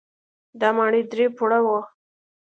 دا ماڼۍ درې پوړه وه.